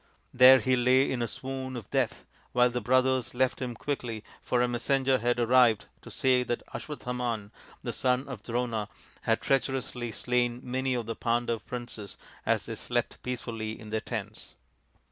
There he lay in a swoon of death while the brothers left him quickly, for a messenger had arrived to say that Aswa thaman, the son of Drona, had treacherously slain many of the Pandav princes as they slept peacefully in their tents.